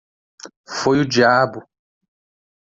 Foi o diabo!